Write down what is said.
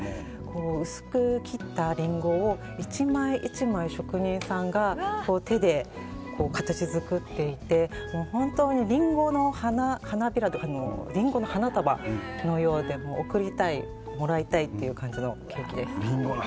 薄く切ったリンゴを１枚１枚、職人さんが手で形作っていて本当にリンゴの花束のようで贈りたい、もらいたいというケーキです。